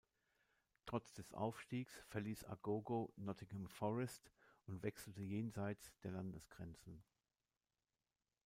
Trotz des Aufstiegs verließ Agogo Nottingham Forest und wechselte jenseits der Landesgrenzen.